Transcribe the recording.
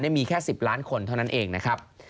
มีแค่๑๐ล้านคนเท่านั้นเองนะครับ